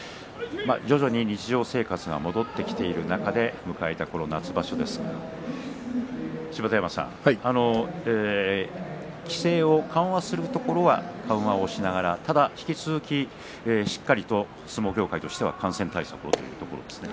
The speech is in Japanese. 徐々に日常生活が戻ってきている中で迎えた夏場所ですが、芝田山さん規制を緩和するところは緩和しながらただ引き続きしっかりと相撲協会としては感染対策を取っていくということですね。